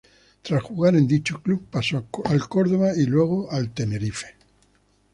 Tras jugar en dicho club, pasó a Córdoba y luego a Tenerife.